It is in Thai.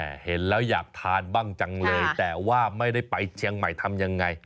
แต่เห็นแล้วอยากทานบ้างจังเลยแต่ว่าไม่ได้ไปเชียงใหม่ทำยังไง